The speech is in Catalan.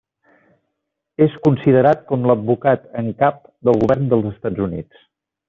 És considerat com l'advocat en cap del govern dels Estats Units.